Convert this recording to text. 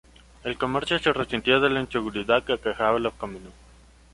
El comercio se resintió de la inseguridad que aquejaba los caminos.